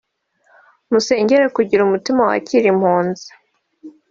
Musengere kugira umutima wakira impunzi